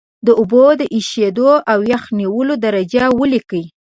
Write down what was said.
د اوبو د ایشېدو او یخ نیولو درجه ولیکئ.